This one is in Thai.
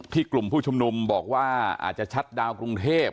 กลุ่มผู้ชุมนุมบอกว่าอาจจะชัดดาวนกรุงเทพ